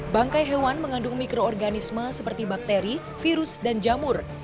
bangkai hewan mengandung mikroorganisme seperti bakteri virus dan jamur